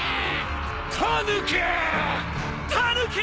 タヌキ！